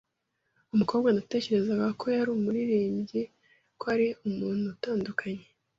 Umukobwa natekerezaga ko ari umuririmbyi yerekanye ko ari umuntu utandukanye.